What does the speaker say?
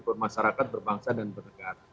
bermasyarakat berbangsa dan bernegara